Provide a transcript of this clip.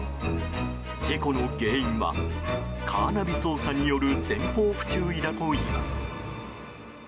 事故の原因はカーナビ操作による前方不注意だといいます。